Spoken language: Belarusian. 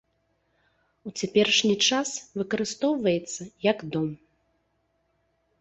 У цяперашні час выкарыстоўваецца як дом.